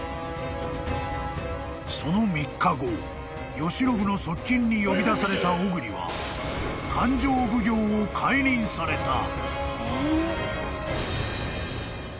［その３日後慶喜の側近に呼び出された小栗は勘定奉行を解任された］